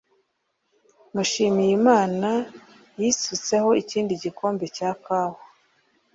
Mushimiyimana yisutseho ikindi gikombe cya kawa